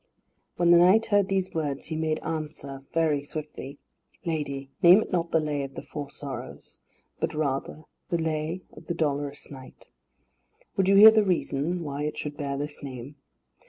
When the knight heard these words he made answer very swiftly, "Lady, name it not the Lay of the Four Sorrows, but, rather, the Lay of the Dolorous Knight. Would you hear the reason why it should bear this name?